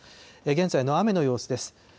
現在の雨の様子です。